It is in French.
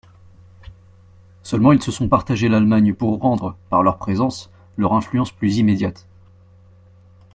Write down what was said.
Seulement ils se sont partagés l'Allemagne pour rendre, par leur présence, leur influence plus immédiate.